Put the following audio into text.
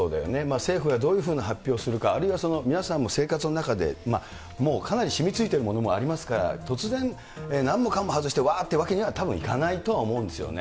政府がどういうふうな発表をするか、あるいは皆さんも生活の中で、もうかなりしみついているものもありますから、突然、なんもかんも外して、わーっていうわけにはたぶんいかないと思うんですけどね。